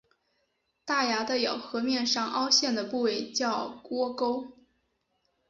大牙的咬合面上凹陷的部位叫窝沟。